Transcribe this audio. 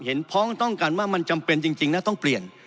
พ้องต้องกันว่ามันจำเป็นจริงนะต้องเปลี่ยน